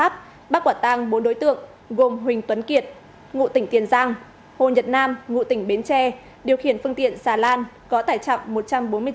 các đối tượng đã đem hai phương tiện sàn lan cát